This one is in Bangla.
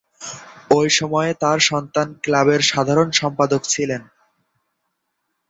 ঐ সময়ে তার সন্তান ক্লাবের সাধারণ সম্পাদক ছিলেন।